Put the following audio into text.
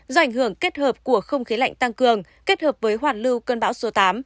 do ảnh hưởng kết hợp của không khí lạnh tăng cường kết hợp với hoàn lưu cơn bão số tám